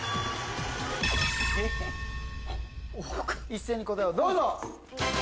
一斉に答えをどうぞ！